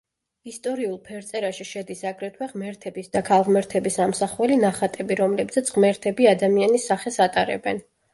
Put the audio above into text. ისტორიულ ფერწერაში შედის აგრეთვე ღმერთების და ქალღმერთების ამსახველი ნახატები, რომლებზეც ღმერთები ადამიანის სახეს ატარებენ.